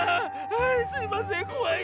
はいすいませんこわい。